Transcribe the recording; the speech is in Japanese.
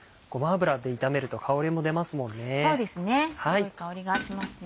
良い香りがしますね。